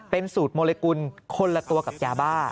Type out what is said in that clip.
เป็นสูตรโมลิกุลคนละตัวกับยาบ้า